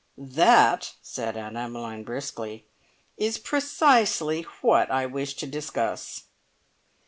"That," said Aunt Emmeline briskly, "is precisely what I wish to discuss."